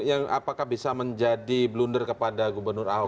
apakah bisa menjadi blunder kepada gubernur aho